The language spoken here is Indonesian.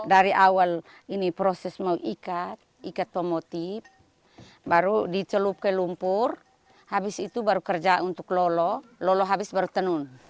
dari awal ini proses mau ikat ikat otomotif baru dicelup ke lumpur habis itu baru kerja untuk lolo lolo habis baru tenun